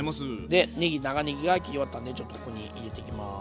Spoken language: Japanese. でねぎ長ねぎが切り終わったんでちょっとここに入れていきます。